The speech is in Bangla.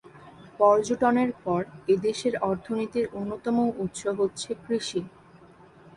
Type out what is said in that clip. পর্যটনের পর এ দেশের অর্থনীতির অন্যতম উৎস হচ্ছে কৃষি।